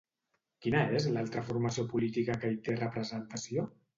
Quina és l'altra formació política que hi té representació?